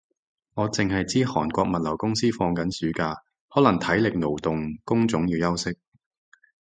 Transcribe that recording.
我剩係知韓國物流公司放緊暑假，可能體力勞動工種要休息